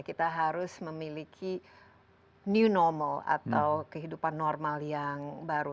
kita harus memiliki new normal atau kehidupan normal yang baru